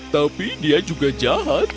tapi dia juga jahat